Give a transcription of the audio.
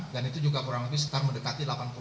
dan itu juga kurang lebih mendekati delapan puluh empat